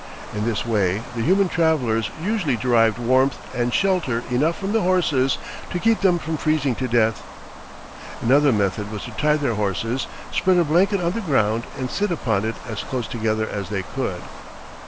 In this way the human travelers usually derived warmth and shelter enough from the horses to keep them from freezing to death. Another method was to tie their horses, spread a blanket on the ground, and sit upon it as close together as they could.